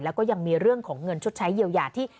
แล้วก็ยังมีเรื่องของเงินชดใช้เยียวยาที่